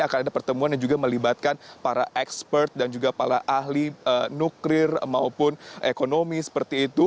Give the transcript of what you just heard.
akan ada pertemuan yang juga melibatkan para expert dan juga para ahli nuklir maupun ekonomi seperti itu